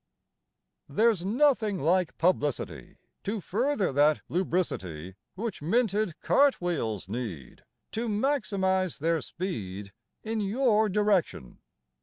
There's nothing like publicity To further that lubricity Which minted cartwheels need To maximize their speed In your direction.